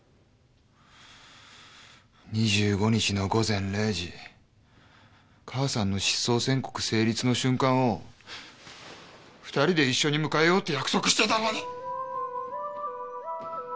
２５日の午前０時母さんの失踪宣告成立の瞬間を２人で一緒に迎えようって約束してたのに！